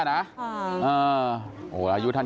อยู่ทานนี้พี่เขาก็ไม่รู้เลย